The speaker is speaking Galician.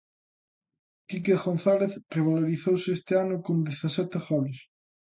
Quique González revalorizouse este ano con dezasete goles.